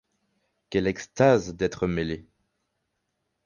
Quelle extase d'être mêlé